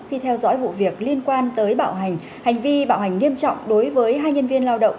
khi theo dõi vụ việc liên quan tới bạo hành hành vi bạo hành nghiêm trọng đối với hai nhân viên lao động